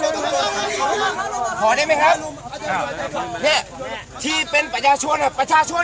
รถฝาพอได้ไหมครับแพทย์ที่เป็นประชาชนครับประชาชน